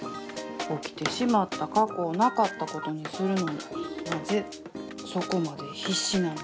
起きてしまった過去をなかったことにするのになぜそこまで必死なんでしょう。